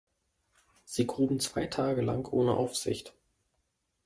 Sie gruben zwei Tage lang ohne Aufsicht.